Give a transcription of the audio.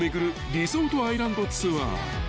リゾートアイランドツアー］